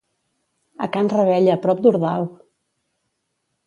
A Can Revella, prop d'Ordal!